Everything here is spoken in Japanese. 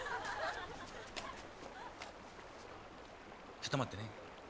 ちょっと待ってね。